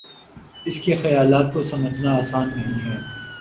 اس کے خیالات کو سمجھنا آسان نہیں ہے